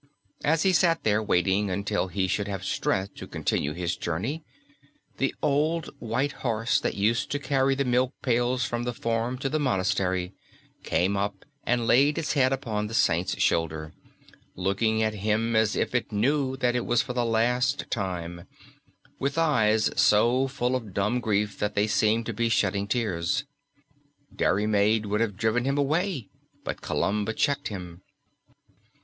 As he sat there waiting until he should have strength to continue his journey, the old white horse that used to carry the milk pails from the farm to the monastery came up and laid its head upon the Saint's shoulder, looking at him as if he knew that it was for the last time, with eyes so full of dumb grief that they seemed to be shedding tears. Diarmaid would have driven him away, but Columba checked him.